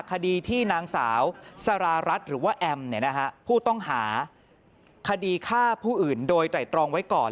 คดีที่นางสาวสารารัฐหรือว่าแอมผู้ต้องหาคดีฆ่าผู้อื่นโดยไตรตรองไว้ก่อน